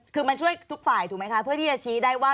คือมันช่วยทุกฝ่ายถูกไหมคะเพื่อที่จะชี้ได้ว่า